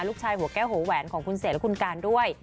ลูกชายหัวแก้วหัวแหวนของคุณเสร็จและคุณกัลด้วย